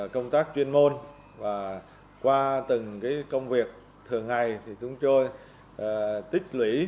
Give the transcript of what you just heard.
công tác chuyên môn và qua từng công việc thường ngày thì chúng tôi tích lũy